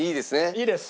いいです！